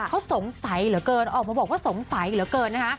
เขาสงสัยเหลือเกินออกมาบอกว่าสงสัยเหลือเกินนะคะ